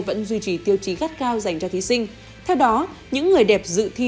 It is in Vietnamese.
vẫn duy trì tiêu chí gắt cao dành cho thí sinh theo đó những người đẹp dự thi